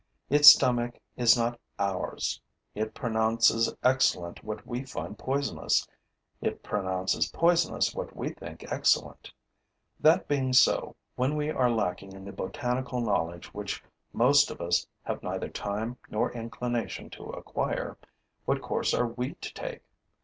Its stomach is not ours. It pronounces excellent what we find poisonous; it pronounces poisonous what we think excellent. That being so, when we are lacking in the botanical knowledge which most of us have neither time nor inclination to acquire, what course are we to take?